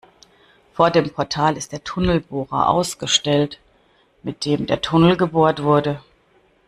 Vor dem Portal ist der Tunnelbohrer ausgestellt, mit dem der Tunnel gebohrt wurde.